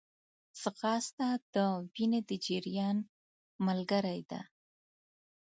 ځغاسته د وینې د جریان ملګری ده